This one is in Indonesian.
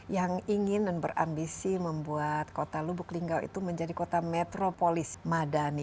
yang ingin dan berambisi membuat kota lubuk linggau itu menjadi kota metropolis madani